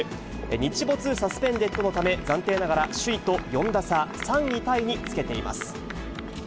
日没サスペンデッドのため、暫定ながら首位と４打差、３位タイにつけています。